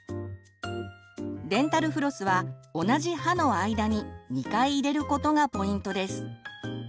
デンタルフロスは同じ歯の間に２回入れることがポイントです。